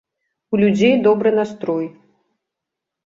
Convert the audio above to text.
У людзей добры настрой.